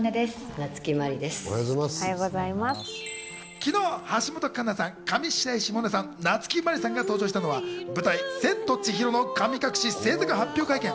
昨日、橋本環奈さん、上白石萌音さん、夏木マリさんが登場したのは、舞台『千と千尋の神隠し』制作発表会見。